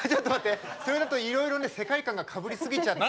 それだったら世界観がかぶりすぎちゃって。